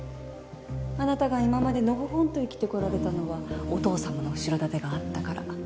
あなたが今までのほほんと生きてこられたのはお父さまの後ろ盾があったから